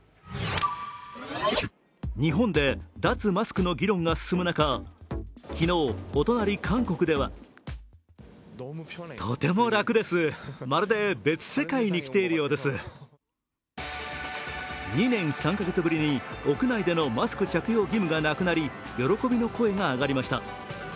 日本で脱マスクの議論が進む中、昨日、お隣・韓国では２年３か月ぶりに屋内でのマスク着用義務がなくなり喜びの声が上がりました。